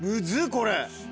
これ。